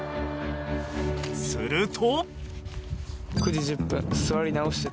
［すると］